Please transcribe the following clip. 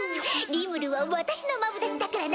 リムルは私のマブダチだからな。